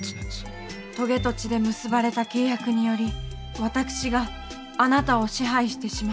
とげと血で結ばれた契約により私があなたを支配してしまう。